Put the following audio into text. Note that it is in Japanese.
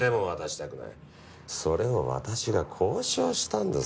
それを私が交渉したんです。